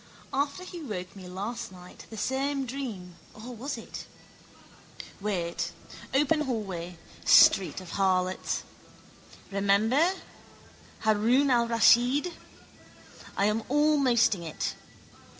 After he woke me last night same dream or was it? Wait. Open hallway. Street of harlots. Remember. Haroun al Raschid. I am almosting it.